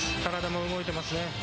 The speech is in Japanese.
体も動いてますね。